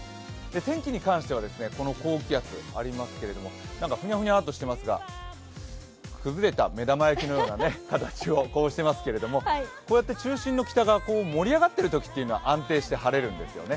天気に関してはこの高気圧ありますけれどもふにゃふにゃとしていますが、崩れた目玉焼きみたいな形をしていますが、こうやって中心部の北側盛り上がっているときは安定して晴れるんですよね。